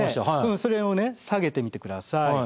それをね下げてみてください。